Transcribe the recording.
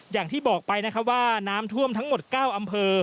อย่างที่บอกไปนะครับว่าน้ำท่วมทั้งหมด๙อำเภอ